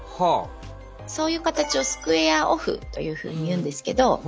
そういう形をスクエアオフというふうに言うんですけど。